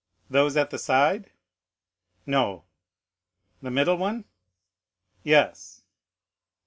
"Those at the side?" "No." "The middle one?" "Yes."